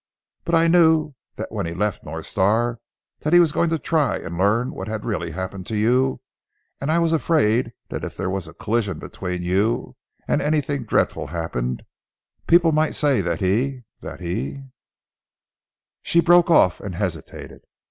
But I knew that when he left North Star that he was going to try and learn what had really happened to you, and I was afraid that if there was a collision between you, and anything dreadful happened, people might say that he that he " She broke off, and hesitated.